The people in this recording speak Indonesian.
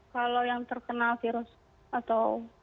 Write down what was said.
kalau yang terkena virus atau